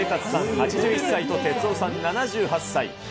８１歳と徹夫さん７８歳。